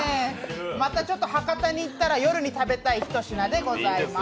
また博多に行ったら夜に食べたいひと品でございます。